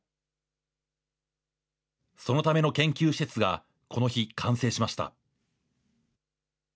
そのための研究施設がこの日、完成しました。